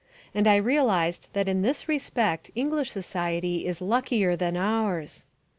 And I realised that in this respect English society is luckier than ours.